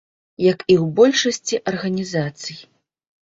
Як і ў большасці арганізацый.